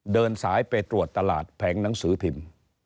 เดินสายไปตรวจตลาดแผงหนังสือพิมพ์